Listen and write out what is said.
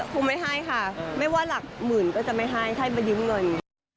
ครูไม่ให้ค่ะไม่ว่าหลักหมื่นก็จะไม่ให้ไปยืมเงิน